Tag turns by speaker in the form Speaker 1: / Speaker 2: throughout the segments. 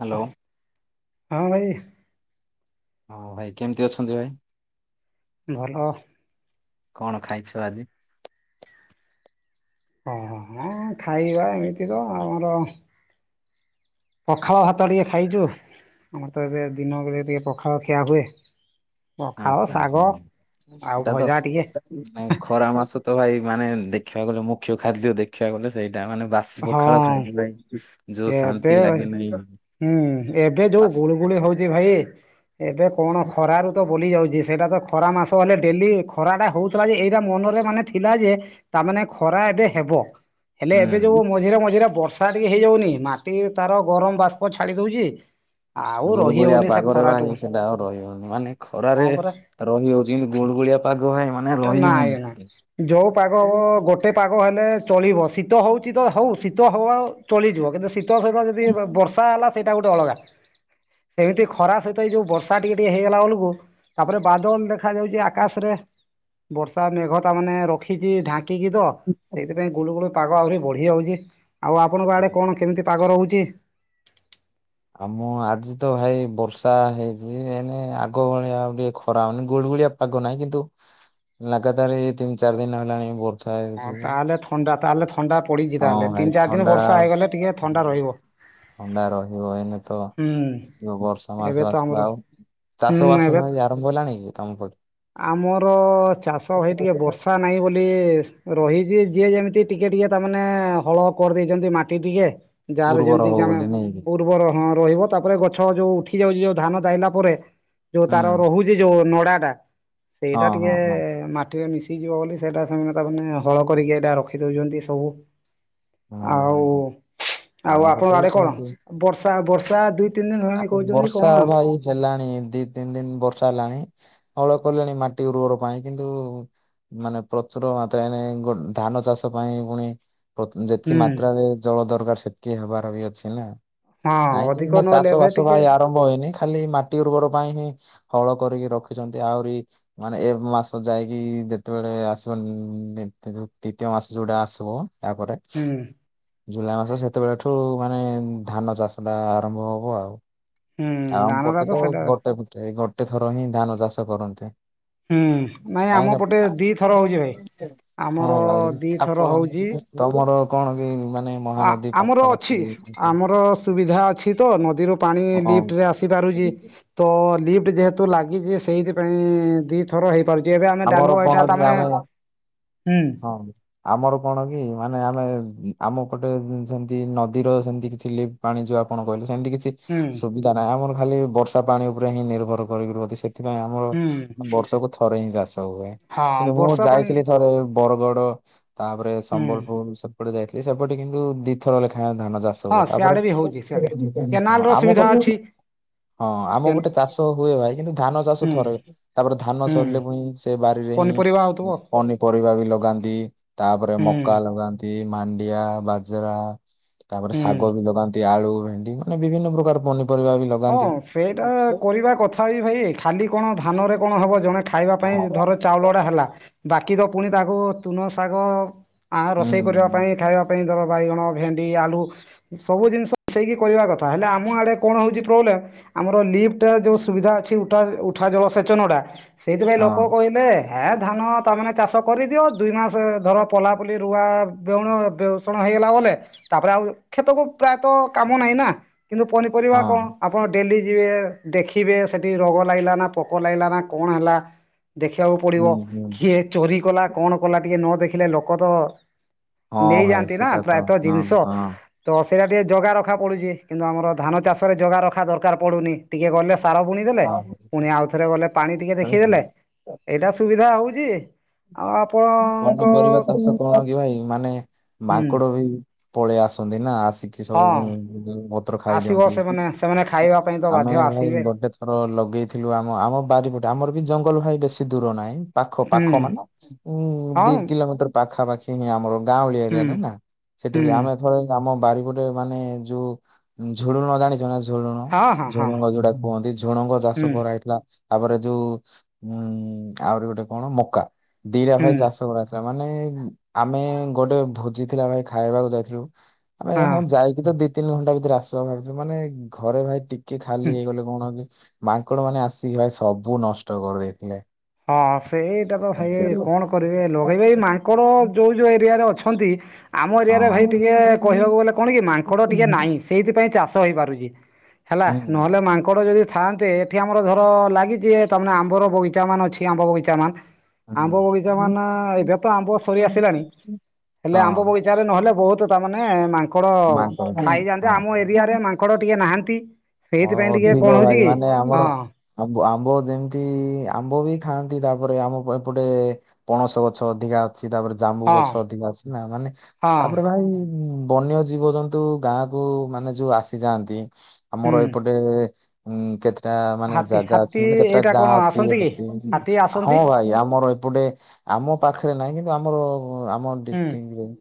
Speaker 1: Hello
Speaker 2: ହଁ ଭାଇ।
Speaker 1: ହଁ ଭାଇ କେମିତି ଅଛନ୍ତି ଭାଇ?
Speaker 2: ଭଲ।
Speaker 1: କଣ ଖାଇଛ ଆଜି?
Speaker 2: ହଁ ଖାଇବା ଏମିତି ର ଆମର ପଖାଳ ଭାତ ଟିକେ ଖାଇଛୁ, ଆମର ତ ଏବେ ଦିନବେଳେ ଟିକେ ପଖାଳ ଖିଆ ହୁଏ। ପଖାଳ
Speaker 1: ଆଚ୍ଛା
Speaker 2: ଶାଗ, ଆଉ ଭଜା ଟିକେ।
Speaker 1: ନାଇ ଖରା ମାସ ତ ଭାଇ ମାନେ ଦେଖିବାକୁ ଗଲେ ମୁଖ୍ୟ ଖାଦ୍ୟ ଦେଖିବାକୁ ଗଲେ ସେଇଟା ମାନେ ବା ବାସି
Speaker 2: ହଁ
Speaker 1: ପଖାଳ ଖାଇଲି ଭାଇ ଯୋଉ
Speaker 2: ଏବେ
Speaker 1: ଶାନ୍ତି
Speaker 2: ଭାଇ,
Speaker 1: ଲାଗେ ନାହିଁ
Speaker 2: ହୁଁ ଏବେ ଯୋଉ
Speaker 1: ବାସି
Speaker 2: ଗୁଳୁଗୁଳି ହଉଛି ଭାଇ ଏବେ କଣ ଖରାରୁ ତ ବୁଲି ଯାଉଛି, ସେଇଟା ତ ଖରା ମାସ ହେଲେ ଡେଲି ଖରାଟା ହଉଥିଲା ଯେ ଏଇଟା ମନରେ ମାନେ ଥିଲା ଯେ ତା ମାନେ ଖରା ଏବେ ହେବ। ହେଲେ ଏବେ ଯୋଉ
Speaker 1: ହୁଁ
Speaker 2: ମଝିରେ ମଝିରେ ବର୍ଷା ଟିକେ ହେଇଯାଉନି ମାଟି ତାର ଗରମ ବାଷ୍ପ ଛାଡି ଦଉଛି। ଆଉ
Speaker 1: ଗୁଳ
Speaker 2: ରହି
Speaker 1: ଗୁଳିଆ
Speaker 2: ହଉନି ସେ
Speaker 1: ପାଗରେ ବା
Speaker 2: ଖରାଠୁ
Speaker 1: ହେ ସେଟା ଆଉ ରହିିବନି ମାନେ
Speaker 2: ହଁ
Speaker 1: ଖରାରେ
Speaker 2: ପରା
Speaker 1: ରହିହଉଛି କିନ୍ତୁ ଗୁଳ ଗୁଳିଆ ପାଗ ଭାଇ ମାନେ
Speaker 2: ନାଇଁ ନାଇଁ
Speaker 1: ରହିହଉନି।
Speaker 2: ଯୋଉ ପାଗ ଗୋଟେ ପାଗ ହେଲେ ଚଳିବ ଶୀତ ହଉଛି ତ ହଉ ଶୀତ ହଉ ଚଳିଯିବ କିନ୍ତୁ ଶୀତ ସହିତ ଯଦି ବର୍ଷା ହେଲା ସେଇଟା ଗୋଟେ ଅଲଗା। ସେଇଠି ଖରା ସହିତ ଏଇ ଯୋଉ ବର୍ଷା ଟିକେ ଟିକେ ହେଇଗଲା ବେଳକୁ ତାପରେ ବାଦଲ ଦେଖାଯାଉଛି ଆକାଶରେ, ବର୍ଷା ମେଘ ତା ମାନେ ରଖିଛି ଢାଙ୍କ କି ତ ସେଇଥିପାଇଁ ଗୁଳୁ ଗୁଳୁ ପାଗ ଆହୁରି ବଢିଯାଉଛି ଆଉ ଆପଣଙ୍କ ଆଡେ କଣ କେମତି ପାଗ ରହୁଛି?
Speaker 1: ଆଉ ମୁଁ ଆଜି ତ ଭାଇ ବର୍ଷା ହେଇଚି ଏଇନେ ଆଗ ଭଳିଆ ଆଉ ଟିକେ ଖରା ହଉନି ଗୁଳି ଗୁଳିଆ ପାଗ ନାହିଁ କିନ୍ତୁ ଲାଗାତାର ଏଇ ତିନି ଚାରି ଦିନ ହେଲାଣି ଭୋଉତ୍
Speaker 2: ହଁ ତାହେଲେ ଥଣ୍ଡା ତାହେଲେ ଥଣ୍ଡା ପଡିଛି ତାହେଲେ
Speaker 1: ହଁ ଭାଇ
Speaker 2: ତିନି ଚାରି ଦିନି
Speaker 1: ଥଣ୍ଡା
Speaker 2: ବର୍ଷା ହେଇଗଲେ ଟିକେ ଥଣ୍ଡା ରହିବ।
Speaker 1: ଥଣ୍ଡା ରହିବ ଏଇନେ ତ
Speaker 2: ହୁଁ
Speaker 1: ଆସିବ ବର୍ଷା
Speaker 2: ଏବେ
Speaker 1: ମାସ
Speaker 2: ତ ଆମର
Speaker 1: ଆସିବ ଆଉ।
Speaker 2: ହୁଁ
Speaker 1: ଚାଷ ବାସ
Speaker 2: ଏବେ
Speaker 1: ଭାଇ ଆରମ୍ଭ ହେଲାଣି କି ତମ ପ
Speaker 2: ଆମର ଚାଷ ଭାଇ ଟିକେ ବର୍ ଥା ନାହିଁ ବୋଲି ସ୍ ରହିଛି ଯିଏ ଯେମିତି ଟିକେ ଟିକେ ତାମାନେ ହଳ କରିଦେଇଛନ୍ତି ମାଟି ଟିକେ। ଯାହାର
Speaker 1: ଉର୍ବର ହବ
Speaker 2: ଯେମିତିକିି ଆମେ
Speaker 1: ବୋଲି ନାଇଁ କି
Speaker 2: ଉର୍ବର ହଁ ରହିବ ତାପରେ ଗଛ ଯୋଉ ଉଠି ଯାଉଚି ଯୋଉ ଧାନ ଦାଇଲା ପରେ ଯୋଉ
Speaker 1: ହୁଁ
Speaker 2: ତାର ରହୁଛି ଯୋଉ ନଡାଟା ସେଇଟା
Speaker 1: ହଁ
Speaker 2: ଟିକେ
Speaker 1: ହଁ ହଁ।
Speaker 2: ମାଟିରେ ମିଶି ତି ଯିବ ବୋଲି ସେଇଟା ସେମାନେ ତାକୁ ମାନେ ହଳ କରିକି ଏଇଟା ରଖିଦଉଛନ୍ତି ସବୁ
Speaker 1: ହଁ
Speaker 2: ଆଉ
Speaker 1: [unintelligible]
Speaker 2: ଆଉ
Speaker 1: ଆମ
Speaker 2: ଆପଣଙ୍କ
Speaker 1: ପଟେ ବି
Speaker 2: ଆଡେ କଣ
Speaker 1: ସେମତି
Speaker 2: ବର୍ଷା ବର୍ଷା ଦୁଇ ତିନି ଦିନ ହେଲାଣି
Speaker 1: ଆଗୁକୁ
Speaker 2: କହୁଛନ୍ତି
Speaker 1: ବର୍ଷା
Speaker 2: କଣ?
Speaker 1: ଏ ଭାଇ ହେଲାଣି ଦି ତିନି ଦିନ ବର୍ଷା ହେଲାଣି ହଳ କଲେଣି ମାଟି ଉର୍ବର ପାଇଁ କିନ୍ତୁ ମାନେ ପ୍ରଚୁର ମାତ୍ରାରେ ଗୋ ଧାନ ଚାଷ ପାଇଁ ପୁଣି ଯେତକି
Speaker 2: ହୁଁ
Speaker 1: ମାତ୍ରାରେ ଜଳ ଦରକାର ସେତକି ହବାର ବି ଅଛି ନା।
Speaker 2: ହଁ
Speaker 1: ନାଇଁ
Speaker 2: ଅଧିକ
Speaker 1: ଏଇନା
Speaker 2: ନହେଲେ
Speaker 1: ଚାଷ
Speaker 2: ଏବେ
Speaker 1: ବାସ
Speaker 2: ଟିକେ
Speaker 1: ଭାଇ ଆରମ୍ଭ ହେଇନି ଖାଲି ମାଟି ଉର୍ବର ପାଇଁ ହିଁ ହଳ କରିକି ରଖିଛନ୍ତି ଆଉରି ମାନେ ଏ ମାସ ଯାଇକି ଯେତେବେଳେ ଆସିବ ଉଁ ଦିତୀ ଦି ଦିତୀୟ ମାସ ଯୋଉଟା ଆସିବ ତାପରେ
Speaker 2: ହୁଁ।
Speaker 1: ଜୁଲାଇ ମାସ ସେତେବେଳେ ଠୁ ମାନେ ଧାନ ଚାଷଟା ଆରମ୍ଭ ହବ ଆଉ।
Speaker 2: ହୁଁ
Speaker 1: ଆଉ ଆମ
Speaker 2: ଧାନଟା
Speaker 1: ପଟେ ତ
Speaker 2: ସେଇଟା
Speaker 1: ଗୋଟେ ପୁଟେ ଗୋଟେ ଥର ହିଁ ଧାନ ଚାଷ କରନ୍ତି।
Speaker 2: ହୁଁ ନାଇଁ
Speaker 1: କାହିଁକି
Speaker 2: ଆମ
Speaker 1: ନା
Speaker 2: ପଟେ ଦିଥର ହଉଚି ଭାଇ
Speaker 1: ପା- ହଁ
Speaker 2: ଆମର
Speaker 1: ଭାଇ
Speaker 2: ଦିଥର
Speaker 1: ଆପଣ
Speaker 2: ହଉଚି।
Speaker 1: ତମର କଣ କିନ୍ତି ମାନେ
Speaker 2: ଆ
Speaker 1: ମହାନଦୀ
Speaker 2: ଆମର
Speaker 1: ପାଖାପାଖି
Speaker 2: ଅଛି
Speaker 1: ଅଛନ୍ତି।
Speaker 2: ଆମର ସୁବିଧା ଅଛି ତ ନଦୀରୁ ପାଣି
Speaker 1: ହଁ
Speaker 2: ଲିଫ୍ଟରେ ଆସିପାରୁଚି। ତ ଲିଫ୍ଟ ଯେହେତୁ ଲାଗିଚି ସେଇଥିପାଇଁ ଦି ଥ ଥର ହେଇପାରୁଚି ଏବେ ଆମେ
Speaker 1: ଆମର
Speaker 2: ଡାଲୁ
Speaker 1: କଣ
Speaker 2: ଏଇଟା
Speaker 1: କି
Speaker 2: ତା ମାନେ
Speaker 1: ଆମେ
Speaker 2: ହୁଁ।
Speaker 1: ହଁ। ଆମର କଣ କି ମାନେ ଆମେ ଉଁ ଆମପଟେ ଉଁ ସେମତି ନଦୀର ସେମତି କିଛି ଲିବ୍ ପାଣି ଯୋଉ ଆପଣ କହିଲେ ସେମତି କିଛି
Speaker 2: ହୁଁ
Speaker 1: ସୁବିଧା ନାହିଁ ଆମର ଖାଲି ବର୍ଷା ପାଣି ଉପରେ ହିଁ ନିର୍ଭର କରିକି ରୁହନ୍ତି ସେ ଥିପାଇଁ ଆମର ମାନେ
Speaker 2: ହୁଁ
Speaker 1: ବର୍ଷକୁ ଥରେ ହିଁ ଚାଷ ହୁଏ
Speaker 2: ହଁ
Speaker 1: କିନ୍ତୁ ମୁଁ
Speaker 2: ବର୍ଷା ପାଣି
Speaker 1: ଯାଇଥିଲି ଥରେ ବରଗଡ ତାପରେ
Speaker 2: ହୁଁ
Speaker 1: ସମ୍ବଲପୁର ସେପଟେ ଯାଇଥିଲି ସେପଟେ କିନ୍ତୁ ଦିଥର ଲେଖାଁୟ ଧାନ ଚା ଷ
Speaker 2: ହଁ
Speaker 1: ହୁଏ
Speaker 2: ସିଆଡେ
Speaker 1: ତାପରେ
Speaker 2: ବି
Speaker 1: [inaudible]
Speaker 2: ହଉଛି ସିଆଡେ କେନାଲ
Speaker 1: ହଁ
Speaker 2: ର
Speaker 1: ଆମ
Speaker 2: ସୁବିଧା
Speaker 1: ପ
Speaker 2: ଅଛି
Speaker 1: ହଁ ଆମ ଗୋଟେ
Speaker 2: ହୁଁ
Speaker 1: ଚାଷ ହୁଏ ଭାଇ କିନ୍ତୁ ଧାନ ଚାଷ ଥରେ ହୁଏ ତାପରେ ଧାନ
Speaker 2: ହୁଁ
Speaker 1: ସରିଲେ ପୁଣି ସେ ବାରିରେ ହିଁ
Speaker 2: ପନିପରିବା
Speaker 1: ଉଁ
Speaker 2: ହଉଥିବ
Speaker 1: ପନିପରିବା ବି ଲଗାନ୍ତି ତାପରେ
Speaker 2: ହୁଁ
Speaker 1: ମକା ଲଗାନ୍ତି ମାଣ୍ଡିଆ ବାଜେରା ତାପରେ
Speaker 2: ହୁଁ
Speaker 1: ଶାଗ ବି ଲଗାନ୍ତି ଆଳୁ ଭେଣ୍ଡି ମାନେ ବିଭିନ୍ନ ପ୍ରକାର ପନିପରିବା ବି ଲ
Speaker 2: ହଁ ସେଇଟା କରିବା କଥା ବି ଭାଇ ଖାଲି କଣ ଧାନରେ କଣ ହବ ଜଣେ ଖାଇବା
Speaker 1: ହଁ
Speaker 2: ପାଇଁ ଧର ଚାଉଳଟା ହେଲା ବାକି ତ ପୁଣି ତାକୁ ତୁନ ଶାଗ ଆଁ
Speaker 1: ହୁଁ
Speaker 2: ରୋଷେଇ କରିବା ପାଇଁ ଖାଇବା ପାଇଁ ଦବ ବାଇଗଣ ଭେଣ୍ଡି ଆଳୁ ସବୁ ଜିନିଷ ମିଶେଇକି କରିବା କଥା ହେଲେ ଆମ ଆଡେ କଣ ହଉଚି ପ୍ରୋବଲେ ଆମର ଲିପ୍ଟଟା ଯୋଉ ସୁବିଧା ଅଛି ଉଠା ଉଠା ଜଳସେଚନଟା ସେଇଥିପାଇଁ ଲୋକ
Speaker 1: ହଁ
Speaker 2: କହି ଲେ ହେ ଧାନ ତା ମାନେ ଚାଷ କରିଦିଅ ଦୁଇ ମାସ ଧର ପଲାପୁଲି ରୁଆ ବେଉଣ ବେଉ ଷଣ ହେଇଗଲା ବଲେ ତାପରେ ଆଉ କ୍ଷେତକୁ ପ୍ରାୟତଃ କାମ ନାହିଁ ନା କିନ୍ତୁ ପନିପରିବା
Speaker 1: ହଁ
Speaker 2: କଣ ଆପଣ ଡ଼େଲି ଯିବେ ଦେଖିବେ ସେଠି ରୋଗ ଲାଗିଲା ନା ପୋକ ଲାଗିଲାନା କଣ ହେଲା? ଦେଖିବାକୁ
Speaker 1: ହୁଁ
Speaker 2: ପଡ଼ିବ
Speaker 1: ହୁଁ
Speaker 2: କିଏ ଚୋରି କଲା କଣ କଲା ଟିକେ ନ ଦେଖିଲେ ଲୋକ ତ
Speaker 1: ହଁ ଭାଇ
Speaker 2: ନେଇଯାଆନ୍ତି ନା
Speaker 1: ସେଟା ତ
Speaker 2: ପ୍ରାୟତଃ
Speaker 1: ହଁ
Speaker 2: ଜିନିଷ। ତ ସେଇଟା ଟିକେ ଜଗା ରଖା ପଡ଼ୁଛି କିନ୍ତୁ ଆମର ଧାନ ଚାଷରେ ଜଗା ରଖା ଦରକାର ପଡ଼ୁନି ଟିକେ ଗଲେ ସାର ବୁଣି ଦେଲେ
Speaker 1: ହଁ
Speaker 2: ପୁଣି ଆଉଥରେ ଗଲେ ପାଣି ଟିକେ
Speaker 1: ହଁ
Speaker 2: ଦେଖିଦେଲେ। ଏଇଟା ସୁବିଧା ହଉଛି ଆଉ ଆପଣଙ୍କ
Speaker 1: ପନପରିବା ଚାଷ କଣ କି ଭାଇ ମାନେ
Speaker 2: ହୁଁ
Speaker 1: ମାଙ୍କଡ ବି ପଳେଇ ଆସନ୍ତି ନା ଆସିକି
Speaker 2: ହଁ
Speaker 1: ସବୁ ପତ୍ର
Speaker 2: ଆସିବ
Speaker 1: ଖାଇଦିଅନ୍ତି
Speaker 2: ସେମାନେ ସେମାନେ ଖାଇବା ପାଇଁ ତ
Speaker 1: ଆମେ
Speaker 2: ବାଧ୍ୟ
Speaker 1: ଭାଇ
Speaker 2: ଆସିବେ
Speaker 1: ତ୍ର ଲଗେଇଥିଲୁ ଆମ ଆମ ବାରିପଟେ ଆମର ବି ଜଙ୍ଗଲ ଭାଇ ବେଶୀ ଦୂର ନାହିଁ। ପାଖ
Speaker 2: ହୁଁ
Speaker 1: ପାଖ ମାନ ଉ
Speaker 2: ହଁ
Speaker 1: ଦି କିଲୋମିଟର ପାଖାପାଖି ହିଁ ଆମର ଗାଁଉଳି
Speaker 2: ହୁଁ
Speaker 1: ଏରିଆଟା ନା
Speaker 2: ହୁଁ
Speaker 1: ସେଠି ଆମେ ଆମ ବାରିପଟେ ମାନେ ଯୋଉ ଝୁଡୁଣ ଜାଣିଛ ନା ଝୁଳଣ
Speaker 2: ହଁ ହଁ ହଁ
Speaker 1: ଝୁଣଙ୍ଗ ଯୋଉଟା କୁହନ୍ତି ଝୁଣଙ୍ଗ ଚାଷ
Speaker 2: ହୁଁ
Speaker 1: କରାହେଇଥିଲା। ତାପରେ ଯୋଉ ଉଁ ଆହୁରି ଗୋଟେ କଣ ମକା ଦିଟା
Speaker 2: ହୁଁ
Speaker 1: ଭାଇ ଚାଷ କର ତା ମାନେ ଆମେ ଗୋଟେ ଭୋଜି ଥିଲା ଭାଇ ଖାଇବାକୁ ଯାଇଥିଲୁ। ଆମେ ହଁ ଯାଇକି ତ ଦି ତିନି ଘଣ୍ଟା ଭିତରେ ଆସିବା ଭାବିଛ ମାନେ ଘରେ ଭାଇ ଟି କିଏ ଖାଲି
Speaker 2: ହୁଁ
Speaker 1: ହେଇଗଲେ କଣ କି ମାଙ୍କଡ଼ ମାନେ ଆସିକି ଭାଇ ସବୁ ନଷ୍ଟ କରିଦେଇଥିଲେ।
Speaker 2: ହଁ ହଁ ସେଇଟା ତ ଭାଇ କଣ କରିବି ଲଗେଇବେ ମାଙ୍କଡ଼ ଯୋଉ ଯଉ ଏରିଆରେ ଅଛନ୍ତି ଆମ ଏରିଆରେ ଭାଇ
Speaker 1: ହଁ
Speaker 2: ଟିକିଏ କହିବାକୁ ଗଲେ କଣ କି ମାଙ୍କଡ଼ ଟିକଏ ନାହିଁ ସେଇଥିପାଇଁ ଚାଷ ହେଇପାରୁଛି। ହେଲା
Speaker 1: ହୁଁ
Speaker 2: ନହେଲେ ମାଙ୍କଡ଼ ଯଦି ଥାଆନ୍ତେ ଏଠି ଆମର ଧର ଲାଗିଛି ତା ଆମ୍ବର ବଗିଚା ମାନ ଅଛି। ଆମ୍ବ ବଗିଚା ମାନ୍
Speaker 1: ହୁଁ
Speaker 2: ଆମ୍ବ ବଗିଚା ମାନେ ଏବେ ତ ଆମ୍ବ ସରି ଆସିଲାଣି ହେଲେ
Speaker 1: ହଁ
Speaker 2: ଆମ୍ବ ବଗି ଜାରେ ନହେଲେ ବହୁତ ତାମାନେ ମାଙ୍କଡ଼
Speaker 1: ମାଙ୍କଡ
Speaker 2: ଖାଇଯାନ୍ତି ଆମ
Speaker 1: ହଁ।
Speaker 2: ଏରିଆରେ ମାଙ୍କ୍ ଙ୍କଡ଼ ଟିକେ ନାହାନ୍ତି
Speaker 1: ହଁ
Speaker 2: ସେଇଥିପାଇଁ ଟିକେ
Speaker 1: ଅଧିକ
Speaker 2: କଣ
Speaker 1: ଭାଇ
Speaker 2: ହଉଛି କି
Speaker 1: ମାନେ ଆମର
Speaker 2: ହଁ।
Speaker 1: ଆମ୍ବ ଆମ୍ବ ଯେମିତି ଆମ୍ବ ବି ଖାଆନ୍ତି ତାପରେ ଆମ ଏପଟେ। ପଣସ ଗଛ ଅଧିକା ଅଛି ତାପରେ ଜାମ୍ବୁ
Speaker 2: ହଁ
Speaker 1: ଗଛ ଅଧିକା ଅଛି ନା ମାନେ
Speaker 2: ହଁ
Speaker 1: ତାପରେ ଭାଇ ବନ୍ୟ ଜୀବଜନ୍ତୁ ଗାଁ କୁ ମାନେ ଯୋଉ ଆସିଯାଆନ୍ତି ଆମର
Speaker 2: ହୁଁ।
Speaker 1: ଏପ ଟେ ଉଁ କେତେ ଟା ମାନେ
Speaker 2: ହାତୀ
Speaker 1: ଜାଗା
Speaker 2: ହାତୀ
Speaker 1: ଅଛି ମାନେ କେତେଟା
Speaker 2: ଏଇଟା କଣ
Speaker 1: ଗାଁ ଅଛି
Speaker 2: ଆସନ୍ତି କି ହାତୀ
Speaker 1: ହଁ
Speaker 2: ଆସନ୍ତି
Speaker 1: ଭାଇ ଆମର ଏପଟେ ଆମ ପାଖରେ ନାହିଁ କିନ୍ତୁ ଆମର ଆମ
Speaker 2: ହୁଁ
Speaker 1: ଡ଼ିଷ୍ଟ୍ରିକଟ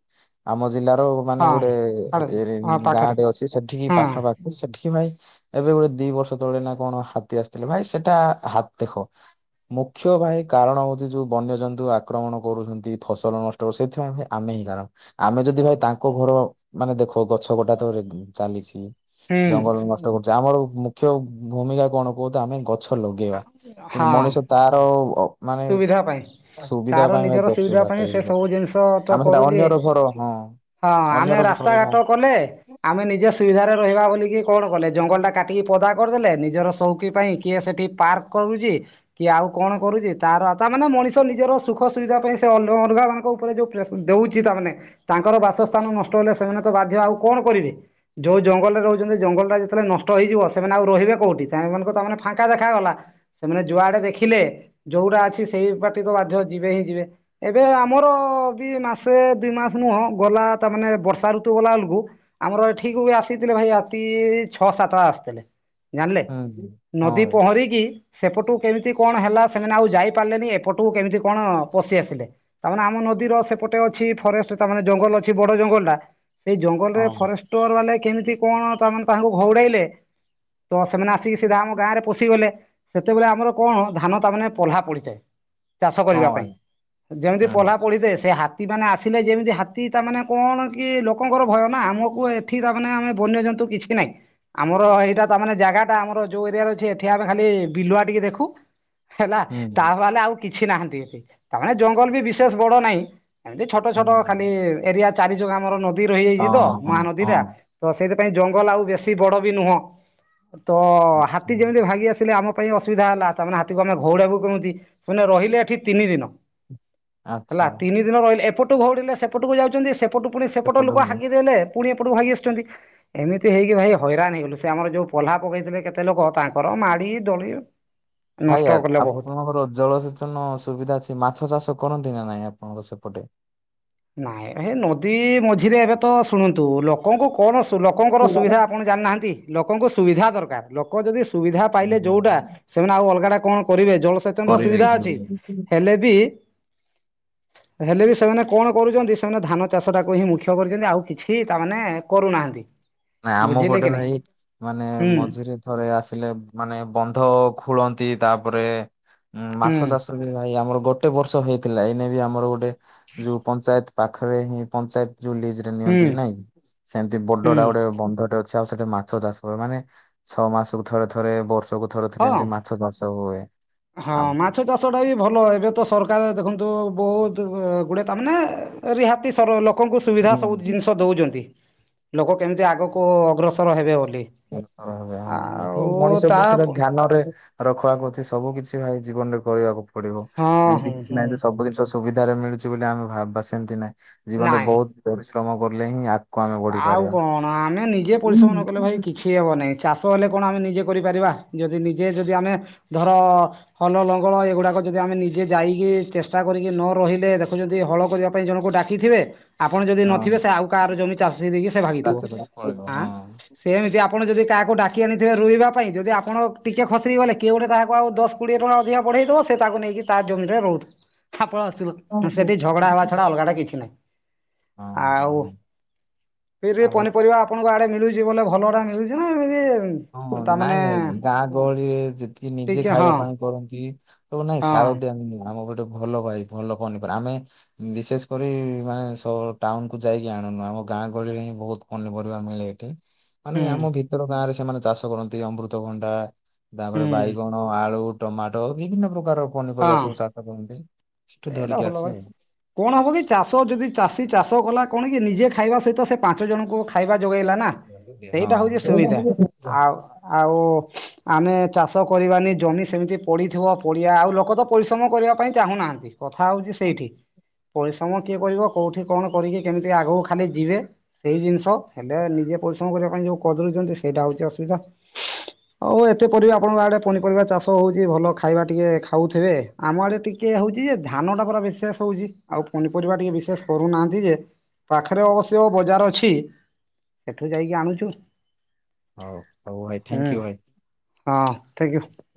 Speaker 1: ଆମ ଜିଲ୍ଲାର ମାନେ
Speaker 2: ହଁ
Speaker 1: ଗୋଟେ
Speaker 2: ଛାଡ଼ନ୍ତୁ
Speaker 1: ଏରେ
Speaker 2: ହଁ
Speaker 1: ଗାଁ
Speaker 2: ପାଖରେ
Speaker 1: ଟେ ଅଛି ସେଠିକି
Speaker 2: ହଁ
Speaker 1: ପାଖାପାଖି ସେଠି ଖି ଭାଇ ଏବେ ଗୋଟେ ଦି ବର୍ଷ ତଳେ ନା କଣ ହାତୀ ଆସିଥିଲେ ଭାଇ ସେଟା ହାତ ଦେଖ ମୁଖ୍ୟ ଭାଇ କାରଣ ହଉଛି ଯୋଉ ବନ୍ୟଜନ୍ତୁ ଆକ୍ରମଣ କରୁଛନ୍ତି ଫସଲ ନଷ୍ ଟ ସେଥିପାଇଁ ଭାଇ ଆମେ ହିଁ କାରଣ। ଆମେ ଯଦି ଭାଇ ତାଙ୍କ ଘର ମାନେ ଦେଖ ଗଛ କଟା ତ ଚାଲିଛି।
Speaker 2: ହୁଁ
Speaker 1: ଜଙ୍ଗଲ ନଷ୍ଟ କରୁଛେ ଆମର ମୁଖ୍ୟ ଭୂମିକା କଣ କୁହ ତ ଆମେ ଗ ଛ ଲଗେଇବା କିନ୍ତୁ
Speaker 2: ହଁ
Speaker 1: ମଣିଷ ତାର ଅ ମାନେ
Speaker 2: ସୁବିଧା ପାଇଁ
Speaker 1: ସୁବିଧା
Speaker 2: ତାର
Speaker 1: ପାଇଁ
Speaker 2: ନିଜର
Speaker 1: ଅଛ
Speaker 2: ସୁବିଧା ପାଇଁ
Speaker 1: କାଟଇ
Speaker 2: ସେ ସବୁ ଜିନିଷ ତ
Speaker 1: ଆମେ ହେଟା
Speaker 2: କରୁଛି
Speaker 1: ଅନ୍ୟର ଘର ହଁ।
Speaker 2: ହଁ ଆମେ
Speaker 1: ଅନ୍ୟର
Speaker 2: ରାସ୍ତା
Speaker 1: ଘର ହଁ
Speaker 2: ଘାଟ କଲେ। ଆମେ ନିଜେ ସୁବିଧାରେ ରହିବା ବୋଲିକି କଣ କଲେ ଜଙ୍ଗଲଟା କାଟିକି ପଦା କରିଦେଲେ ନିଜର ସଉକି ପାଇଁ କିଏ ସେଠି ପାର୍କ କରୁଛି। କି ଆଉ କଣ କରୁଛି ତାର ତା ମାନେ ମଣିଷ ନିଜର ସୁଖ ସୁବିଧା ପାଇଁ ସେ ଅନ ଅଲଗା ମାନଙ୍କ ଉପରେ ଯୋଉ ପ୍ର ଦେଉଛି ତାମାନେ ତାଙ୍କର ବାସସ୍ଥାନ ନଷ୍ଟ ହେଲେ ସେମାନେ ତ ବାଧ୍ୟ ଆଉ କଣ କରିବେ? ଯୋଉ ଜଙ୍ଗଲରେ ରହୁଛନ୍ତି ଜଙ୍ଗଲ ଟା ଯେତେବେଳେ ନଷ୍ଟ ହେଇଯିବ ସେମାନେ ଆଉ ରହିବେ କୋଉଠି ସେମାନଙ୍କୁ ତ ତାମାନେ ଫାଙ୍କା ଦେଖା ଗଲା। ସେମାନେ ଯୁଆଡ଼େ ଦେଖିଲେ ଯୋଉଟା ଅଛି ସେଇ ପାଟି ତ ବାଧ୍ୟ ଯିବେ ହିଁ ଯିବେ। ଏବେ ଆମର ବି ମାସେ ଦୁଇ ମାସ ନୁହଁ ଗଲା ତା ମାନେ ବର୍ଷା ଋତୁ ଗଲା ବେଳକୁ। ଆମର ଏଠିକ ବି ଆସିଥିଲେ ଭାଇ ରାତି ଛଅ ସାତଟା ଆସିଥିଲେ। ଜାଣିଲେ
Speaker 1: ହୁଁ
Speaker 2: ନଦୀ
Speaker 1: ହଁ ଭାଇ
Speaker 2: ପହଁରିକି- ସେପଟକୁ କେମିତି କଣ ହେଲା ସେମାନେ ଆଉ ଯାଇ ପାରିଲେନି। ଏପଟକୁ କେମିତି କଣ ପଶି ଆସିଲେ? ତାମାନେ ଆମ ନଦୀର ସେପଟେ ଅଛି ଫରେଷ୍ଟ ତାମାନେ ଜଙ୍ଗଲ ଅଛି ବଡ ଜଙ୍ଗଲ ଟା। ସେଇ ଜଙ୍ଗଲରେ
Speaker 1: ହଁ
Speaker 2: ଫରେଷ୍ଟର ବାଲେ କେମିତି କଣ ତାମାନେ ତାଙ୍କୁ ଘଉଡାଇଲେ? ତ ସେମାନେ ଆସିକି ସିଧା ଆମ ଗାଁରେ ପଶିଗଲେ। ସେତେବେଳେ ଆମର କଣ ଧାନ ତାମାନେେ ପହ୍ଲା ପଡିଯାଏ ଚାଷ
Speaker 1: ହଁ
Speaker 2: କରିବା ପାଇଁ।
Speaker 1: ଭାଇ
Speaker 2: ଯେମିତି
Speaker 1: ହୁଁ
Speaker 2: ପହ ପଡ଼ିଯାଏ ସେ ହାତ- ହାତୀ ମମାନେେ ଆସିଲେ ଯେମିତି ହାତୀ ତାମାନେେ କଣ କି ଲୋକଙ୍କର ଭୟ ନା? ଆମକୁ ଏଠି ତାମାନେେ ଆମେ ବନ୍ୟଜନ୍ତୁ କିଛି ନାଇଁ। ଆମର ଏଇଟା ତ ମାନେ ଜାଗା ଟା ଆମର ଯୋଉ ଏରିଆ ର ଅଛି ଏଠି ଆମେ ଖାଲି ବିଲୁଆ ଟିକେ ଦେଖୁ ହେଲା
Speaker 1: ହୁଁ
Speaker 2: ତାହଲେ ଆଉ କିଛି ନାହାନ୍ତି ଏଠି। ତାମାନେେ ଜଙ୍ଗଲ ବି ବିଶେଷ ବଡ ନାହିଁ ଏମତି ଛୋଟ
Speaker 1: ହୁଁ
Speaker 2: ଛୋଟ
Speaker 1: ହୁଁ
Speaker 2: ଖାଲି ଏରିଆ- ଚାରି ଜଙ୍କ ଆମର ନଦୀ
Speaker 1: ହଁ
Speaker 2: ରହିଯାଇଛି ତ
Speaker 1: ହଁ ହଁ
Speaker 2: ମହାନଦୀ ଟା।
Speaker 1: ହଁ
Speaker 2: ତ ସେଇଥିପାଇଁ ଜଙ୍ଗଲ ଆଉ ବେଶୀ ବଡ ବି ନୁହଁ। ତ
Speaker 1: ଆଚ୍ଛା
Speaker 2: ହାତୀ ଯେମିତି ଭାାଗି ଆସିଲେ ଆମ- ପାଇଁ ଅସୁବିଧା ହେଲା। ତାମାନେ ହାତକୁ ଆମେ ଘଉଡାକୁ କେମିତି? ସେମାନେ ରହିଲେ ଏଠି ତିନି ଦିନ ହେଲା।
Speaker 1: ଆଚ୍ଛା
Speaker 2: ତିନି ଦିନ ରହିଲେ ଏପଟକୁ ଘଉଡ଼ିଲେ ସେପଟକୁ ଯାଉଛନ୍ତି ସେପଟୁ ପୁଣି ସେପଟ ଲୋକ ହାକିଦ ଦେଲେ। ପୁଣି ଏପଟକୁ ଭାଗୀ ଆସିୁଛନ୍ତି। ଏମିତି ହେଇକି ଭାଇ ହଇରାଣ ହେଇଗଲୁ ସେ ଆମର ଯୋଉ ପୋହ୍ଲା ପକେଇଥିଲେ କେତେ ଲୋକ ତାଙ୍କର ମାଡି ଦଳୀୟ।
Speaker 1: ଭାଇା ଆପଣଙ୍କର ଜଳସେଚନ ସୁବିଧା ଅଛି ମାଛ ଚାଷ କରନ୍ତି ନା ନାଇଁ ଆପଣଙ୍କର ସେପଟେ।
Speaker 2: ନାଇଁ ଏଇ ନଦୀ ମଝିରେ ଏବେ ତ ଶୁଣନ୍ତୁ ଲୋକଙ୍କୁ କଣ ଲୋକଙ୍କର ସୁବିଧା? ଆପଣ ଜାଣିନାହାନ୍ତି। ଲୋକଙ୍କୁ ସୁବିଧା ଦରକାର ଲୋକ ଯଦି ସୁବିଧା ପାଇଲେ ଯୋଉଟା। ସେମାନେ ଆଉ ଅଲଗା ଟା କଣ କରିବେ? ଜଳସେଚନ ର
Speaker 1: କରିବେ
Speaker 2: ସୁବିଧା ଅଛି
Speaker 1: କି?
Speaker 2: ହେଲେ ବି ହେଲେ ବି ସେମାନେ କଣ କରୁଛନ୍ତି? ସେମାନେ ଧାନ ଚାଷଟାକୁ ହିଁ ମୁଖ୍ୟ କରିଛନ୍ତି ଆଉ କିଛି ତାମାନେ କରୁନାହାନ୍ତି।
Speaker 1: ନା ଆମ
Speaker 2: ବୁଝିଲେ
Speaker 1: ପଟେ
Speaker 2: କି ନାଇଁ
Speaker 1: ଭାଇ ମାନେ
Speaker 2: ହୁଁ
Speaker 1: ମଝିରେ ରେ ଆସିଲେ ମାନେ ବନ୍ଧ ଖୋଳନ୍ତି, ତାପରେ
Speaker 2: ହୁଁ
Speaker 1: ମାଛ ଚାଷ। ଭାଇ ଆମର ଗୋଟେ ବର୍ଷ ହେଇଥିଲା। ଏଇନେ ବି ଆମର ଗୋଟେ ଯୋଉ ପଞ୍ଚାୟତ ପାଖରେ ହିଁ ପଞ୍ଚାୟତ ଯୋଉ ଲିଜରେ
Speaker 2: ହୁଁ
Speaker 1: ନିଅନ୍ତି ନାଇଁ। ସେମିତି
Speaker 2: ହୁଁ
Speaker 1: ବଡଟା ଗୋଟେ ବନ୍ଧଟେ ଅଛି ଆଉ ସେଠି ମାଛ ଚାଷ କ ମାନେ, ଛଅ ମାସ କକୁ ଥରେ ଥରେ ବର୍ଷକୁ ଥରେ ଥରେ
Speaker 2: ହଁ
Speaker 1: ଏମତି ମାଛ- ଚାଷ ହୁଏ।
Speaker 2: ହଁ
Speaker 1: ଆଉ
Speaker 2: ମାଛ ତ- ଟି ଭଲ। ଏବେ ସରକାର ଦେଖନ୍ତୁ ବହୁତ ଗୁଡ଼ାଏ ତାମାନେ ରିହାତି ସର ଲୋ- କଙ୍କୁ ସୁବିଧା ସବୁ
Speaker 1: ହୁଁ
Speaker 2: ଜିନିଷ ଦଉଛନ୍ତି। ଲୋକ କେମିତି ଆଗକୁ ଅଗ୍ରସର ହେବେ ବୋଲି?
Speaker 1: ହ
Speaker 2: ଆଉ ତା
Speaker 1: ମଣିଷକୁ ସେଇଟା ଧ୍ୟାନରେ। ରଖିବାକୁ ଅଛି ସବୁ କିଛି ଭାଇ ଜୀବନ ରେ କରିବାହକୁ ପଡିବ।
Speaker 2: ହଁ
Speaker 1: ଏମିତି
Speaker 2: ହୁଁ
Speaker 1: କିଛି
Speaker 2: ହୁଁ
Speaker 1: ନାହିଁ ସବୁ ଜିନିଷ ସୁବିଧାରେ ମିଳୁଛି ବୋଲି ଆମେ ଭାବିବା ସେମିତି ନାଇଁ। ଜୀବନରେ
Speaker 2: ନାଇଁ
Speaker 1: ବହୁତ ପରିଶ୍ରମ କଲେ ହିଁ- ଆମେ ବଢି
Speaker 2: ଆଉ
Speaker 1: ପାରିବା।
Speaker 2: କଣ ଆମେ ନିଜେ
Speaker 1: ହଁ
Speaker 2: ପରିଶ୍ରମ ନ କଲେ ଭାଇ କିଛି- ହେବ ନାହିଁ? ଚାଷ ହେଲେ କଣ ଆମେ ନିଜେ କରିପାରିବା? ଯଦି ନିଜେ ଯଦି ଆମେ ଧର ହଲ ଲଙ୍ଗଳ ଏଗୁଡ଼ାକ ଯଦି ଆମେ ନିଜେ ଯାଇକି ଚେଷ୍ଟା କରିକି ନ ରହିଲେ ଦେଖୁ ଯଦି ହଳ କରିବା- ପାଇଁ ଜଣ ଡାକିଥିବେ। ଆପଣ ଯଦି ନଥିବେ ସେ ଆଉ କାହାର ଜମି ଚାଷୀ ଦେଇକି ସେ ଭାଗିଥିବ
Speaker 1: ଚାଷ କରି ପଳେଇବ
Speaker 2: ଆଁ।
Speaker 1: ହଁ।
Speaker 2: ସେମିତି ଆପଣ ଯଦି କାହାକୁ ଡାକି ଆଣିଥିବେ ରୋଇବା ପାଇଁ, ଯଦି ଆପଣ ଟିକେ ଖସ ଗଲେ କିଏ ଗୋଟେ କହାକୁ ଆଉ ଦଶ କୋଡ଼ିଏ ଟଙ୍କା ଅଧିକା ବଢ଼େଇଥିବ ତାକୁ ନେଇକି ତା ଜମିରେ ରୋଉ।
Speaker 1: [unintelligible]
Speaker 2: ଆପଣ
Speaker 1: ହଁ
Speaker 2: ଆସିବ
Speaker 1: ହଁ
Speaker 2: ସେଠି ଝଗଡା ହେବା ଛଡା ଅଲଗା ଟା କିଛି ନାହିଁ। ଆଉ ଫ
Speaker 1: ଭାଇ
Speaker 2: ପନିପରିବା ଆପଣଙ୍କ ଆଡେ ମିଳୁଛି ବୋଲେ ଭଲଡେ ମିଳୁଛି ନା ଏମିତି।
Speaker 1: ହଁ,
Speaker 2: ତାମାନେ
Speaker 1: ନାଇଁ ଭାଇ ଗାଁ ଗହଳିରେ ଯେତିକି ନିଜେ
Speaker 2: ଟିକେ ହଁ
Speaker 1: ଖାଇବା ପାଇଁ କରନ୍ତି। ତ ନାଇଁ
Speaker 2: ହଁ
Speaker 1: ସାର ଦିହଁ ଆମର ଗୋଟେ ଭଲ ଭାଇ ଭଲ ପନିପରିବା ଆମେ ବିଶେଷ କରି ମାନେ ସ ଟାଉନକୁୁ ଯାଇକି ଆଣୁନୁ ଆମ ଗାଁ ଗହଳିରେ ହିଁ ବହୁତ ପନିପରିବା ମିଳେ ଏଠି। ମାନେ
Speaker 2: ହୁଁ
Speaker 1: ଆମ ଭିତର ଗାଁ ରେ ସେମାନେ ଚାଷ କରନ୍ତି ଅମୃତଭଣ୍ଡା
Speaker 2: ହୁଁ
Speaker 1: ତାପରେ ବାଇଗଣ ଆଳୁ ଟମାଟୋ ବିଭିନ୍ନ ପ୍ରକାର ପନିପରିବା
Speaker 2: ହଁ
Speaker 1: ସବୁ ଚାଷ କରନ୍ତି। ସେଠୁ
Speaker 2: ଏଇଟା
Speaker 1: ଧରିକି
Speaker 2: ଭଲ
Speaker 1: ଆସୁ
Speaker 2: ଭାଇ। କଣ ହବ କି ଚାଷ ଯଦି ଚାଷୀ ଚାଷ କଲା କଣ କି ନିଜେ ଖାଇବା ସହିତ ସେ ପାଞ୍ଚ ଜଣଙ୍କୁ ଖାଇବା ଯୋଗେଇଲା ନା। ସେଇଟା ହଉଛି ସୁବିଧା
Speaker 1: ହଁ।
Speaker 2: ଆଉ ଆଉ ଆମେ ଚାଷ କରିବାନି ଜମି ସେମିତି ପଡ଼ିଥିବ ପଡ଼ିଆ ଆଉ ଲୋକ ତ ପରିଶ୍ରମ କରିବା ପାଇଁ ଚାହୁଁନାହାଁନ୍ତି। କଥା ହଉଛି ସେଇଠି ପରିଶ୍ରମ କିଏ କରିବ କୋଉଠି କଣ କରିକି କେମିତି ଆଗକୁ ଖାଲି ଯିବେ। ସେଇ ଜିନିଷ ହେଲେ ନିଜେ ପରିଶ୍ରମ କରିବା ପାଇଁ ଯୋଉ କଦଳୁଛନ୍ତି ସେଇଟା ହଉଛି ଅସୁବିଧା। ହଉ ଏତେ ପରିବା ଆପଣଙ୍କ ଆଡେ ପନିପରିବା ଚାଷ ହଉଛି ଭଲ ଖାଇବା ଟିକେ ଖାଉଥିବେ। ଆମ ଆଡେ ଟିକେ ହଉଛି ଯେ ଧାନଟା ପୁରା ବିଶେଷ ହଉଛି ଆଉ ପନିପରିବା ଟିକେ ବିଶୋଷ କରୁନାହାନ୍ତି ଯେ ପାଖରେ ଅବଶ୍ୟ ବଜାର ଅଛି ସେଠୁ ଯାଇକି ଆଣୁଛୁ।
Speaker 1: ହଉ ହଉ ଭାଇ ଥ୍ୟାଙ୍କ
Speaker 2: ହୁଁ
Speaker 1: ୟୁ
Speaker 2: ହଁ ଠିକ୍।
Speaker 1: ଭାଇ।